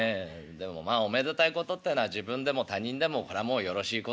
でもまあおめでたいことってのは自分でも他人でもこれはもうよろしいこってございましてね